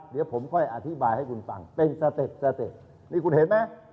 เดี๋ยวผมค่อยอธิบายให้คุณฟังเป็นสเต็ปสเต็ปนี่คุณเห็นไหม